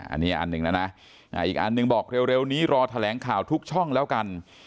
อันนี้อันหนึ่งแล้วนะอีกอันหนึ่งบอกเร็วนี้รอแถลงข่าวทุกช่องแล้วกัน